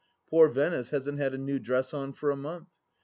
Poor Venice hasn't had a new dress on for a month.